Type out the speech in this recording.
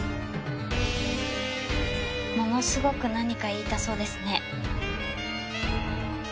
ものすごく何か言いたそうですね。